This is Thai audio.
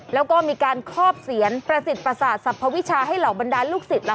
แล้วก็มีการครอบเสียนประสิทธิ์ประสาทสรรพวิชาให้เหล่าบรรดาลูกศิษย์